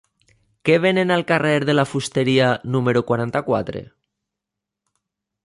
Què venen al carrer de la Fusteria número quaranta-quatre?